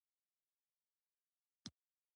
څېړونکو نور حواس هم پېژندلي دي.